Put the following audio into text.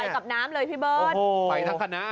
กับน้ำเลยพี่เบิร์ตไปทั้งคณะ